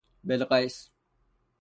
بِلقیس